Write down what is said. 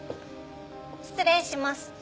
失礼します。